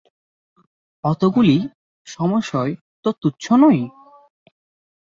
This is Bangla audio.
অতগুলি সমস্বয় তো তুচ্ছ নয়?